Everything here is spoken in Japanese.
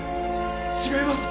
違います。